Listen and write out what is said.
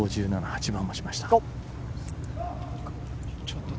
８番を持ちました。